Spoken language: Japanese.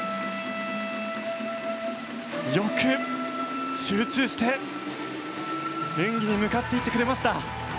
よく集中して演技に向かっていってくれました。